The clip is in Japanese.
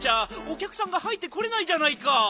きゃくさんが入ってこれないじゃないか。